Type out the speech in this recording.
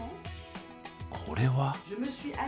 これは？